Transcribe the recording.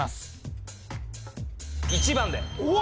１番で！